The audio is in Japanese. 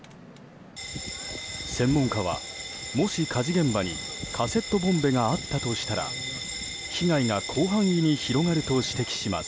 専門家は、もし火事現場にカセットボンベがあったとしたら被害が広範囲に広がると指摘します。